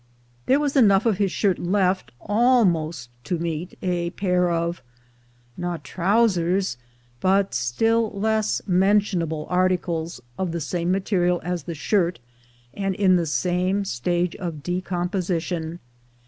There was enough of his shirt left almost to meet a pair of — not trousers, but still less mentionable articles, of the same material as the shirt, and in the same stage of decomposition.